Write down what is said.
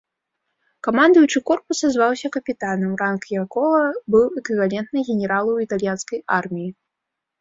Камандуючы корпуса зваўся капітанам, ранг якога быў эквівалентны генералу ў італьянскай арміі.